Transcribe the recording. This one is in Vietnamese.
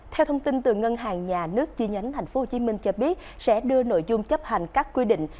theo thông tin từ ngân hàng nhà nước chi nhánh tp hcm cho biết sẽ đưa nội dung chấp hành các quy định